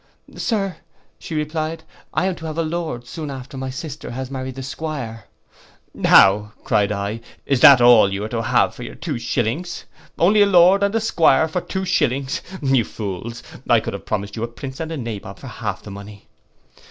'Sir,' replied she, 'I am to have a Lord soon after my sister has married the 'Squire.'—'How,' cried I, 'is that all you are to have for your two shillings! Only a Lord and a 'Squire for two shillings! You fools, I could have promised you a Prince and a Nabob for half the money.